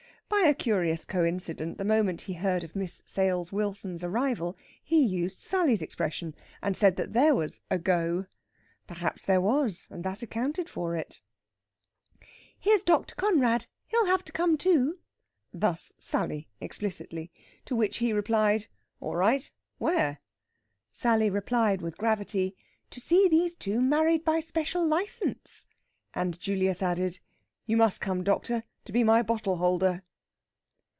By a curious coincident, the moment he heard of Miss Sales Wilson's arrival, he used Sally's expression, and said that there was "a go!" Perhaps there was, and that accounted for it. "Here's Dr. Conrad he'll have to come too." Thus Sally explicitly. To which he replied, "All right. Where?" Sally replied with gravity: "To see these two married by special licence." And Julius added: "You must come, doctor, to be my bottle holder."